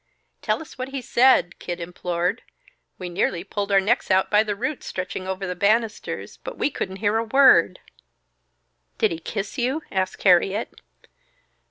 "Tell us what he said," Kid implored. "We nearly pulled our necks out by the roots stretching over the banisters, but we couldn't hear a word." "Did he kiss you?" asked Harriet.